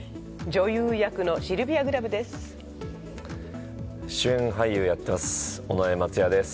女優役のシルビア・グラブです。